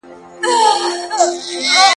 آس چي خداى خواروي، نو ئې يابو کي.